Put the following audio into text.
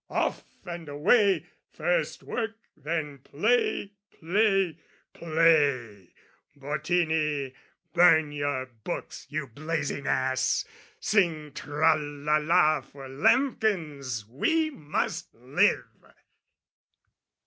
Off and away, first work then play, play, play! Bottini, burn your books, you blazing ass! Sing "Tra la la, for, lambkins, we must live!"